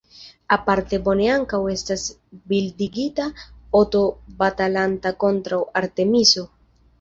Aparte bone ankaŭ estas bildigita "Oto batalanta kontraŭ Artemiso".